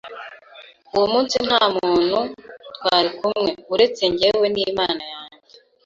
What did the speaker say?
Uwo munsi nta muntu twari kumwe, uretse jyewe n’Imana yanjye.